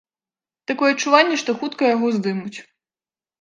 Такое адчуванне, што хутка яго здымуць.